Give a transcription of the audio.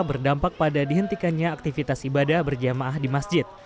berdampak pada dihentikannya aktivitas ibadah berjamaah di masjid